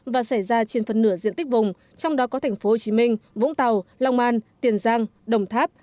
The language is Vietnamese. và xảy ra trên phần nửa diện tích vùng trong đó có thành phố hồ chí minh vũng tàu long an tiền giang đồng tháp